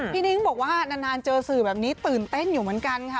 นิ้งบอกว่านานเจอสื่อแบบนี้ตื่นเต้นอยู่เหมือนกันค่ะ